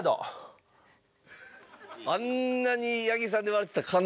あんなに八木さんで笑ってた。